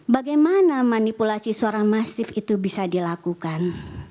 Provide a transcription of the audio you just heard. bagaimana manipulasi suara masif itu bisa dilakukan